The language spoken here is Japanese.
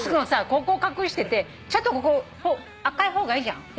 ここを隠しててちょっとここ赤い方がいいじゃん。え！？